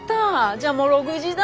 じゃあもう６時だ。